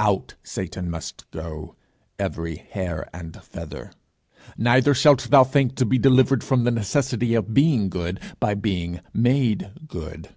Out Satan must go, every hair and feather! Neither shalt thou think to be delivered from the necessity of being good by being made good.